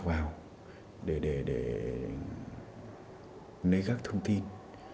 đi vào sọc vào để lấy các thông tin